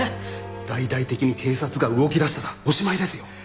大々的に警察が動きだしたらおしまいですよ。